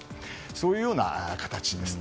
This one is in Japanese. そういうような形ですね。